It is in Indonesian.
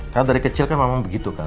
karena dari kecil kan memang begitu kan